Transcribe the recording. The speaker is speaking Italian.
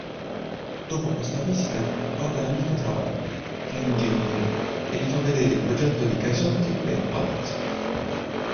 Dopo questa visita va dall'amico Travaglia che è ingegnere e gli fa vedere il progetto di Caisotti per il palazzo.